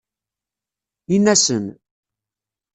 In-asen